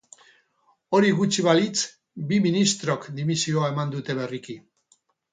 Hori gutxi balitz, bi ministrok dimisioa eman dute berriki.